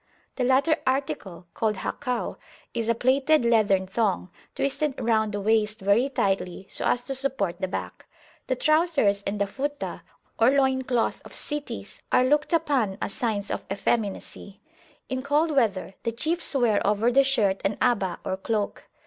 The latter article, called Hakw, is a plaited leathern thong, twisted round the waist very tightly, so as to support the back. The trousers and the Futah, or loin cloth of cities, are looked upon as signs of effeminacy. In cold weather the chiefs wear over the shirt an Aba, or cloak.